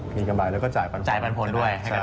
มีกำไรแล้วก็จ่ายปันผลด้วย